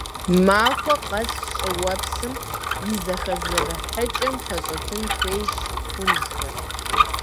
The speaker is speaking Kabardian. Махуэ къэс щӏыуэпсым и зэхэзэрыхьыкӏэм пэщӏэтын хуейщ хунзхэр.